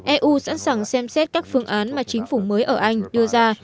eu sẵn sàng xem xét các phương án mà chính phủ mới ở anh đưa ra